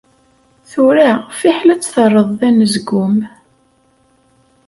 Tura fiḥel ad tt-terreḍ d anezgum.